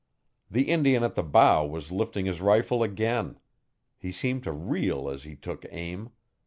The Indian at the bow was lifting his rifle again. He seemed to reel as he took aim.